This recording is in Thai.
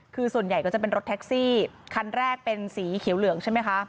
คือส่วนใหญ่ก็จะเป็นรถแท็กซี่คันแรกเป็นสีเขียวเหลืองใช่ไหมคะ